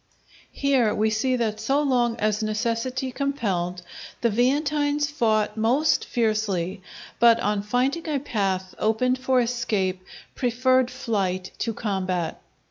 Here we see that so long as necessity compelled, the Veientines fought most fiercely, but on finding a path opened for escape, preferred flight to combat.